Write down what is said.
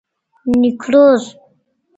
نیکروز